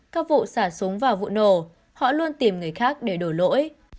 sau vụ xả súng và vụ nổ họ luôn tìm người khác để đổ lỗi